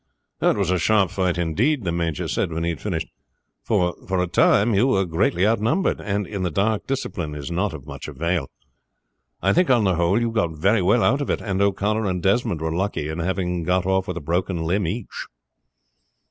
"It was a sharp fight indeed," the major said when he had finished; "for, for a time you were greatly outnumbered, and in the dark discipline is not of much avail. I think on the whole you got very well out of it, and O'Connor and Desmond were lucky in having got off with a broken limb each."